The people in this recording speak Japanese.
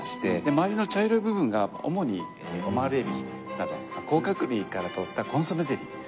周りの茶色い部分が主にオマール海老など甲殻類から取ったコンソメゼリー。